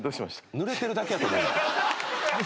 「ぬれてるだけやと思うんだ」